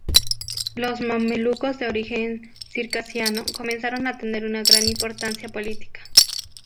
Los mamelucos de origen circasiano comenzaron a tener una gran importancia política.